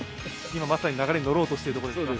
今、まさに流れに乗ろうとしているところですか。